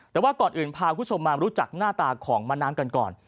แต่ว่าก่อนอื่นพาคุณผู้ชมมารู้จักหน้าตาของมะน้ำกันก่อน